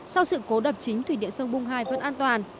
sau sự cố đập chính thủy điện sông bung hai vẫn an toàn